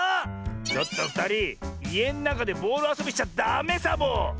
ちょっとふたりいえのなかでボールあそびしちゃダメサボ！